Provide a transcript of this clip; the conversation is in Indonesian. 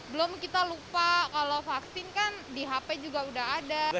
belum kita lupa kalau vaksin kan di hp juga udah ada